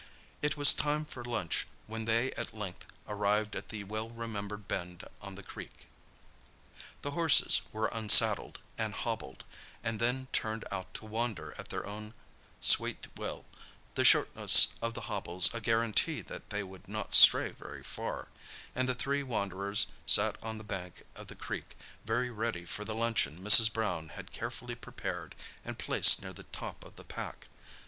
It was time for lunch when they at length arrived at the well remembered bend on the creek. The horses were unsaddled and hobbled, and then turned out to wander at their own sweet will—the shortness of the hobbles a guarantee that they would not stray very far; and the three wanderers sat on the bank of the creek, very ready for the luncheon Mrs. Brown had carefully prepared and placed near the top of the pack.